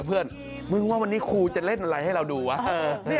เพื่อนมึงว่าวันนี้ครูจะเล่นอะไรให้เราดูวะ